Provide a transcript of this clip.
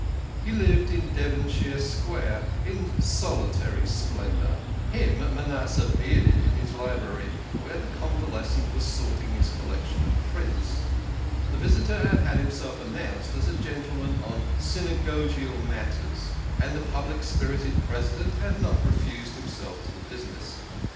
He lived in Devon shire Square, in solitary splendour. Him Manasseh bearded in his library, where the convalescent was sorting his collec tion of prints. The visitor had had himself announced as a gentleman on synagogual matters, and the public spirited President had not refused himself to the business.